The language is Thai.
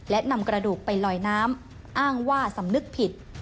และนำกระดูกไปลอยน้ำอ้างว่าสำนึกผิด